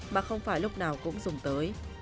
mà không phải lúc nào cũng dùng tới